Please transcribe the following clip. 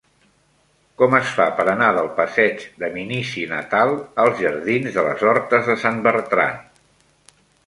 Com es fa per anar del passeig de Minici Natal als jardins de les Hortes de Sant Bertran?